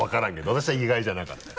私は意外じゃなかったよ。